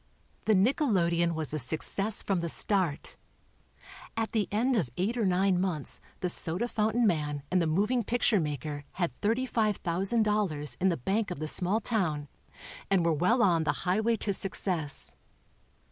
The nickelodeon was a success from the start. At the end of eight or nine months the soda fountain man and the moving picture maker had $35,000 in the bank of the small town and were well on the highway to success.